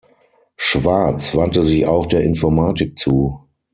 Schwartz wandte sich auch der Informatik zu.